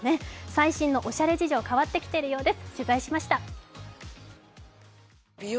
最新のオシャレ事情、変わってきてるようです。